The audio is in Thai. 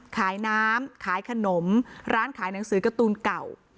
ขายน้ำขายขนมร้านขายหนังสือการ์ตูนเก่า